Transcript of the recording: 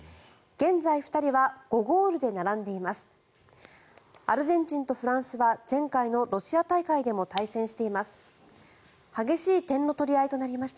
現在、２人は５ゴールで並んでいます。